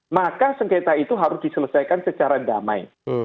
maka sengketa itu harus diselesaikan secara damai